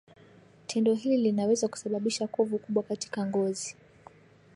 Tendo hili linaweza kusababisha kovu kubwa katika ngozi